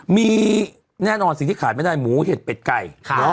มีแน่นอนสิ่งที่ขาดไม่ได้หมูเห็ดเป็ดไก่